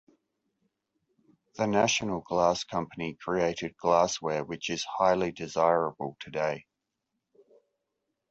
The National Glass Company created glassware which is highly desirable today.